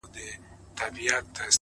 • نن شپه بيا زه پيغور ته ناسته يمه؛